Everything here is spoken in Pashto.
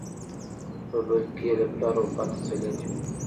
په بل کې یې د پلار وفات تسلیت وي.